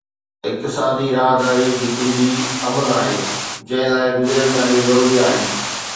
اقتصادي راهداري جي ڪنجي امن آهي، جنهن لاءِ گڏيل ڳالهيون ضروري آهن